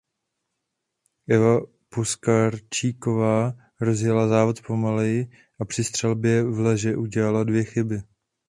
Eva Puskarčíková rozjela závod pomaleji a při střelbě vleže udělala dvě chyby.